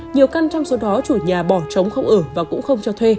nhiều căn trong số đó chủ nhà bỏ trống không ở và cũng không cho thuê